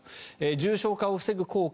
重症化を防ぐ効果